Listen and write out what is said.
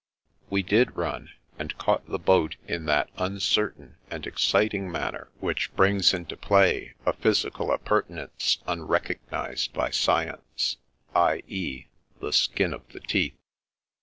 We did run, and caught the boat in that uncertain and exciting manner which brings into play a 266 The Princess Passes ph}rsical appurtenance unrecognised by science, t. e., the skin of the teeth.